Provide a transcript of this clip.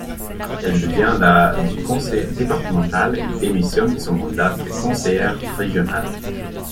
Elle devient la du conseil départemental et démissionne de son mandat de conseillère régionale.